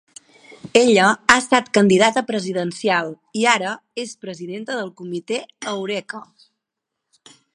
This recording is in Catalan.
Ella ha estat candidata presidencial i ara és presidenta del Comité Eureka.